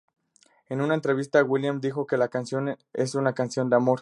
En una entrevista, Williams dijo que la canción es una canción de amor.